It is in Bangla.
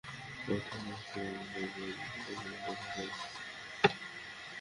অধিকাংশ মানুষের নুন আনতে পান্তা ফুরায়, সেখানে শক্তিশালী সরকারি চিকিৎসাব্যবস্থার বিকল্প নেই।